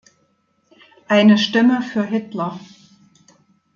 Eine Stimme für Hitler.